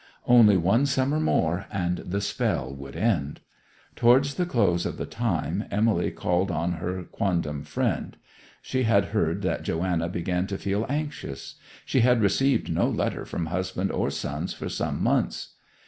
Only one summer more, and the 'spell' would end. Towards the close of the time Emily called on her quondam friend. She had heard that Joanna began to feel anxious; she had received no letter from husband or sons for some months.